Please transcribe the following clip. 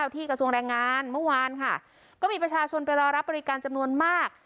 กระทรวงแรงงานเมื่อวานค่ะก็มีประชาชนไปรอรับบริการจำนวนมาก